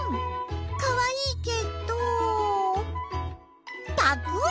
かわいいけどパクリ！